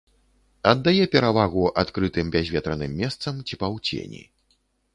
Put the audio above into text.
Аддае перавагу адкрытым бязветраным месцам ці паўцені.